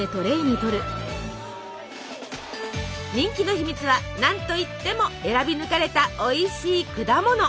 人気の秘密は何といっても選び抜かれたおいしい果物！